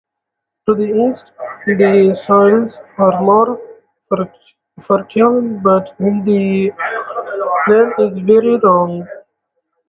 To the east, the soils are more fertile, but the land is very rough.